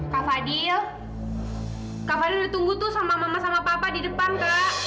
kak fadil kak fadil ditunggu tuh sama mama sama papa di depan kak